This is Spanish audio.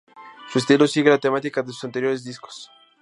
Su estilo sigue la temática de sus anteriores discos.